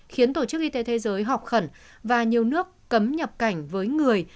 khiến tổ chức y tế thế giới họp khẩn và nhiều nước cấm nhập cảnh với người